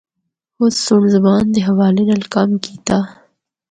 اُس سنڑ زبان دے حوالے نال کم کیتا۔